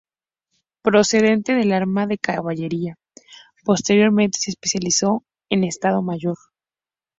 Procedente del Arma de Caballería, posteriormente se especializó en Estado Mayor.